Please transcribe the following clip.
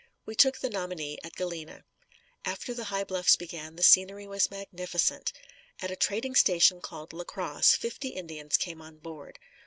We took the Nominee at Galena. After the high bluffs began, the scenery was magnificent. At a trading station called La Crosse, fifty Indians came on board.